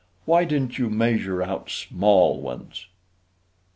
Why didn't you measure out small ones?"